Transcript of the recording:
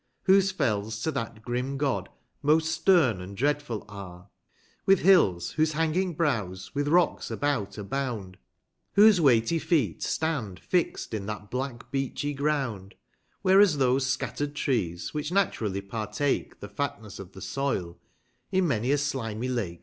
Whose fells to that grim God, most stern and dreadful are, With hills whose hanging brows, with rocks about are bound, Whose weighty feet stand fix'd in that black beachy ground, Whereas those scattered trees, which naturally partake, 301 The fatness of the soil (in many a slimy lake.